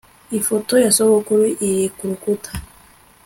Ifoto ya sogokuru iri kurukuta